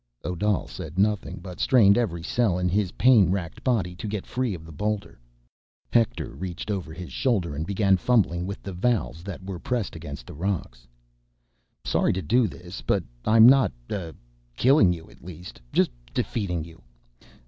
Odal said nothing, but strained every cell in his pain wracked body to get free of the boulder. Hector reached over his shoulder and began fumbling with the valves that were pressed against the rocks. "Sorry to do this ... but I'm not, uh, killing you, at least ... just defeating you.